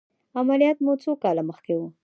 عملیات مو څو کاله مخکې و؟